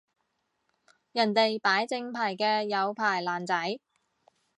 人哋攞正牌嘅有牌爛仔